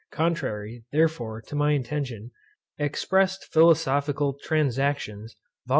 Contrary, therefore, to my intention, expressed Philosophical Transactions, vol.